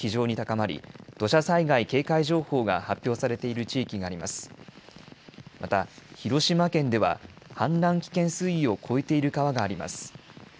また、広島県では氾濫危険水位を超えている川があります。